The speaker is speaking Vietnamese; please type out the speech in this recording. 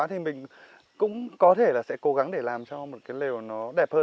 thì mình cũng có thể là sẽ cố gắng để làm cho một cái lều nó đẹp hơn